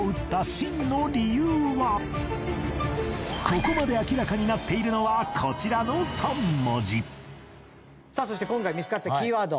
ここまで明らかになっているのはこちらの３文字さあそして今回見つかったキーワード